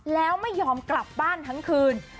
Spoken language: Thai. แล้วไม่ยอมกลับบ้านทั้งคืน